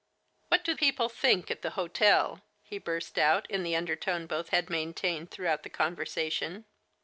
'* What do people think at the hotel ?" he burst out in the undertone both had maintained throughout the conversation.